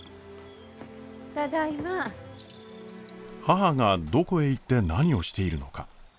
母がどこへ行って何をしているのか。